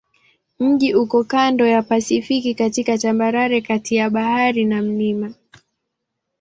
Mji uko kando la Pasifiki katika tambarare kati ya bahari na milima.